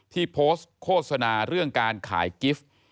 ที่โพสต์โฆษณาเรื่องการขายกิฟต์